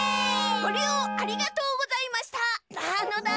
ごりようありがとうございましたなのだ。